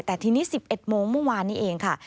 แต่ทีนี้๑๑โมงเมื่อวานนี้เองค่ะ